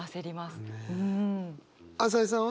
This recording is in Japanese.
朝井さんは？